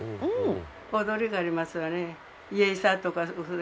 踊りがありますわね。